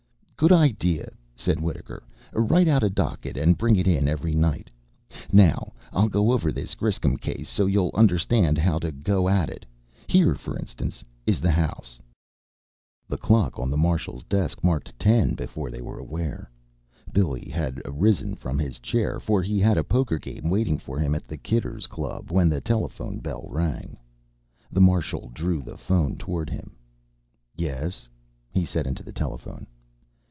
"Good idea!" said Wittaker. "Write out a docket, and bring it in every night. Now, I'll go over this Griscom case, so you'll understand how to go at it. Here, for instance, is the house " The clock on the Marshal's desk marked ten before they were aware. Billy had arisen from his chair, for he had a poker game waiting for him at the Kidders' Club, when the telephone bell rang. The Marshal drew the 'phone toward him. "Yes!" he said, into the telephone.